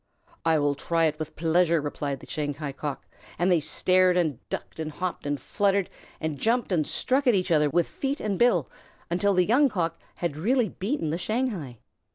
"I will try it with pleasure," replied the Shanghai Cock, and they stared and ducked and hopped and fluttered and jumped and struck at each other with feet and bill, until the Young Cock had really beaten the Shanghai.